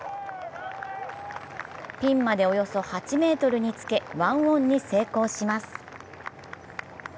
ピンまでおよそ８ｍにつけ１オンに成功します。